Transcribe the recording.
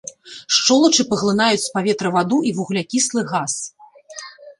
Шчолачы паглынаюць з паветра ваду і вуглякіслы газ.